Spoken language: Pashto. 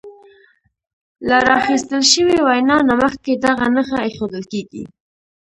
له راخیستل شوې وینا نه مخکې دغه نښه ایښودل کیږي.